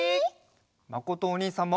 まことおにいさんも。